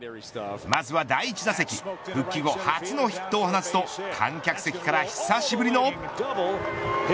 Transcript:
まずは第１打席復帰後初のヒットを放つと観客席から久しぶりの。